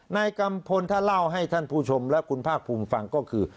นายกัมพลถ้าเล่าให้ท่านผู้ชมและคุณภาคภูมิฟังก็คือ